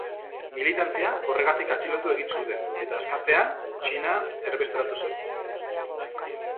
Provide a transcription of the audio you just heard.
Militantzia horregatik atxilotu egin zuten, eta askatzean Txinan erbesteratu zen.